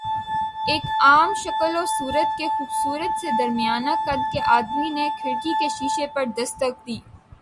ایک عام شکل و صورت کے خوبصورت سے درمیانہ قد کے آدمی نے کھڑکی کے شیشے پر دستک دی۔